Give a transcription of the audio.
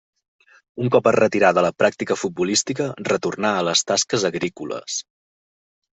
Un cop es retirà de la pràctica futbolística retornà a les tasques agrícoles.